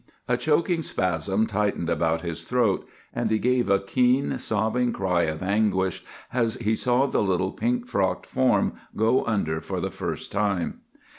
A choking spasm tightened about his throat, and he gave a keen, sobbing cry of anguish as he saw the little pink frocked form go under for the first time.